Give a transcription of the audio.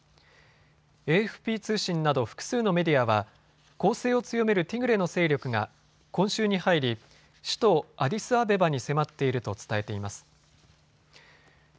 ＡＦＰ通信など複数のメディアは攻勢を強めるティグレの勢力が今週に入り首都アディスアベバに迫っていると伝えています。